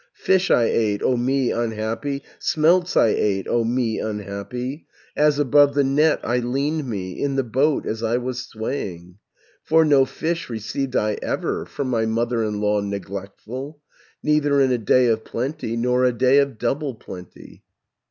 Fish I ate, O me unhappy, Smelts I ate, O me unhappy, As above the net I leaned me, In the boat as I was swaying, For no fish received I ever From my mother in law neglectful, 610 Neither in a day of plenty, Nor a day of double plenty.